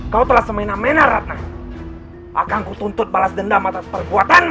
kau telah semena mena ratnan akanku tuntut balas dendam atas perbuatanmu